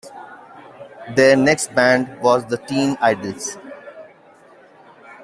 Their next band was The Teen Idles.